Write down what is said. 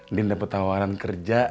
ndin dapet tawaran kerja